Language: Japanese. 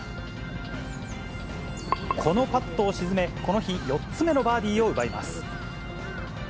このパットを沈め、この日４つ目のバーディーを奪います。